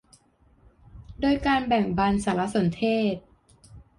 โดยการแบ่งบันสารสนเทศ